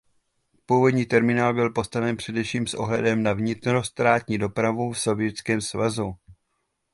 Původní terminál byl postaven především s ohledem na vnitrostátní dopravu v Sovětském svazu.